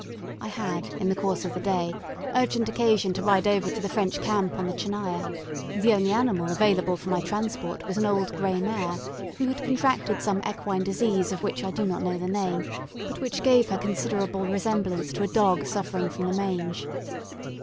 I had, in the course of the day, urgent occasion to ride over to the French camp on the Tchernaya; the only animal available for my transport was an old grey mare, who had contracted some equine disease of which I do not know the name, but which gave her considerable resemblance to a dog suffering from the mange.